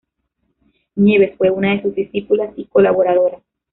Nieves fue una de sus discípulas y colaboradora.